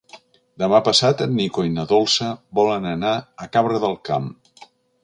Demà passat en Nico i na Dolça volen anar a Cabra del Camp.